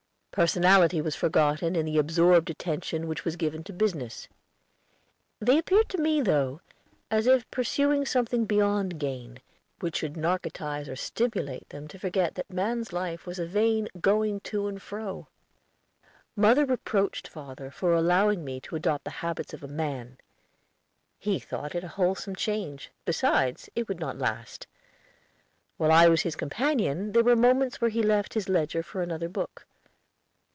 Personality was forgotten in the absorbed attention which was given to business. They appeared to me, though, as if pursuing something beyond Gain, which should narcotize or stimulate them to forget that man's life was a vain going to and fro. Mother reproached father for allowing me to adopt the habits of a man. He thought it a wholesome change; besides, it would not last. While I was his companion there were moments when he left his ledger for another book.